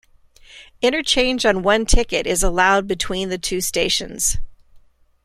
Interchange on one ticket is allowed between the two stations.